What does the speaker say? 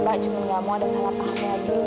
mbak cuman gak mau ada salah pahamnya andre